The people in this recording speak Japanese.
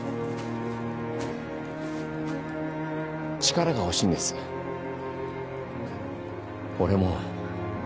力が欲しいんです俺も。